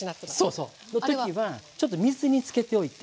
そうそう。の時はちょっと水につけておいて。